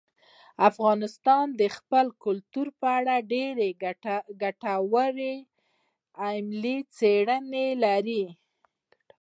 افغانستان د خپل کلتور په اړه ډېرې ګټورې او علمي څېړنې لري.